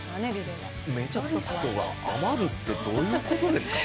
メンバーが余るってどういうことですか。